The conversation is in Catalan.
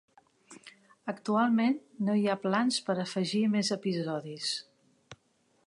Actualment no hi ha plans per afegir més episodis.